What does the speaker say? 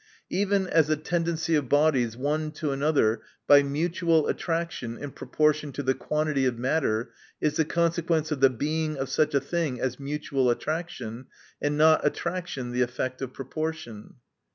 Even as a tendency of bodies, one to another, by mutual attrac tion, in proportion to the quantity of matter, is the consequence of the Being of such a thing as mutual attraction ; and not attraction the effect of proportion.